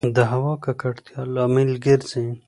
د هــوا د ککــړتـيـا لامـل ګـرځـي